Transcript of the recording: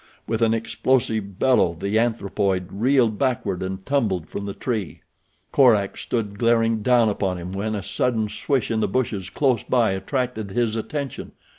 With an explosive bellow the anthropoid reeled backward and tumbled from the tree. Korak stood glaring down upon him when a sudden swish in the bushes close by attracted his attention.